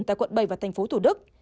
tại quận bảy và thành phố thủ đức